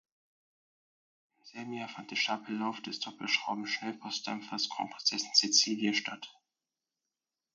Im selben Jahr fand der Stapellauf des Doppelschrauben-Schnellpostdampfers "Kronprinzessin Cecilie" statt.